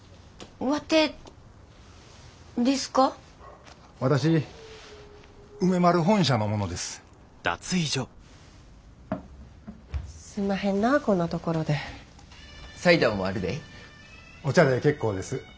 お茶で結構です。